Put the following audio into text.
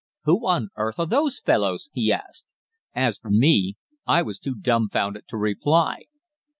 "'Who on earth are those fellows?' he asked. As for me, I was too dumbfounded to reply.